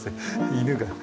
犬が。